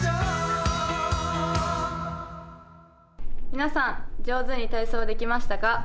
皆さん上手に体操できましたか？